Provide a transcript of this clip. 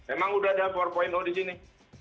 emang udah ada empat di sini